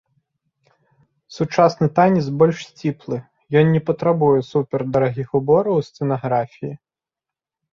Сучасны танец больш сціплы, ён не патрабуе супердарагіх убораў і сцэнаграфіі.